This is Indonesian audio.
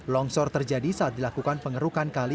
longsor terjadi saat dilakukan pengerukan kali